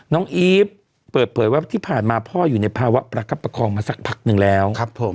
อีฟเปิดเผยว่าที่ผ่านมาพ่ออยู่ในภาวะประคับประคองมาสักพักหนึ่งแล้ว